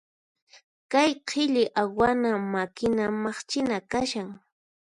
Kay qhilli awana makina maqchina kashan.